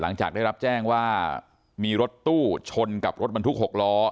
หลังจากได้รับแจ้งว่ามีรถตู้ชนกับรถบรรทุก๖ล้อ